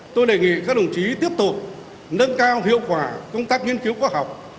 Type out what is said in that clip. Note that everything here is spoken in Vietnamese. tôi đề nghị các đồng chí tiếp tục nâng cao hiệu quả công tác nghiên cứu khoa học